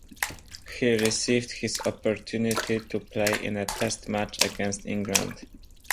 He received his opportunity to play in a Test match against England.